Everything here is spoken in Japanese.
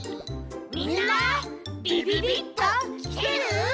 みんなびびびっときてる？